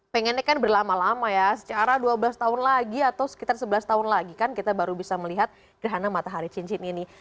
pengennya kan berlama lama ya secara dua belas tahun lagi atau sekitar sebelas tahun lagi kan kita baru bisa melihat gerhana matahari cincin ini